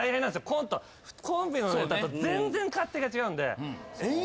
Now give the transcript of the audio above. コンビのネタと全然勝手が違うんで。